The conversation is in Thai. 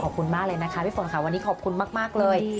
ขอบคุณมากเลยนะคะพี่ฝนค่ะวันนี้ขอบคุณมากเลย